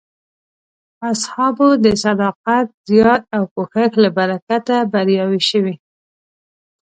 اصحابو د صداقت، زیار او کوښښ له برکته بریاوې شوې.